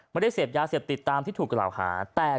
ไม่ได้เสพยาเสพติดตามที่ถูกกล่าวหา